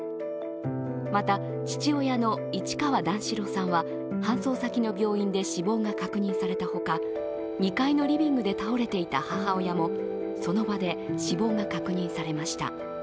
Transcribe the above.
また、父親の市川段四郎さんは搬送先の病院で死亡が確認されたほか、２階のリビングで倒れていた母親もその場で死亡が確認されました。